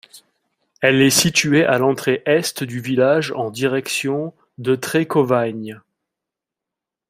Elle est située à l'entrée est du village en direction de Treycovagnes.